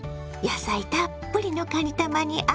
野菜たっぷりのかにたまに